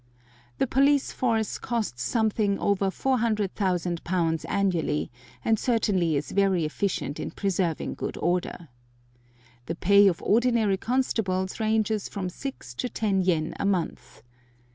The police force costs something over £400,000 annually, and certainly is very efficient in preserving good order. The pay of ordinary constables ranges from 6 to 10 yen a month.